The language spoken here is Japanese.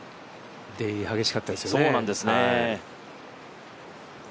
出入り激しかったですよね。